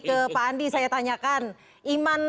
ke pak andi saya tanyakan iman